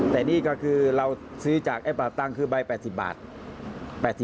แต่นี่ก็คือเราซื้อจากไอ้ป่าตังคือใบ๘๐บาท